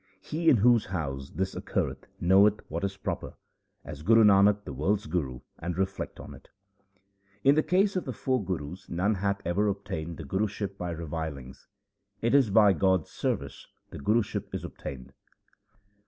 He in whose house this occurreth knoweth what is proper ; ask Guru Nanak the world's Guru, and reflect on it. In the case of the four Gurus none hath ever obtained the 1 Sarang. 284 THE SIKH RELIGION Guruship by revilings ; it is by God's service the Guruship is obtained.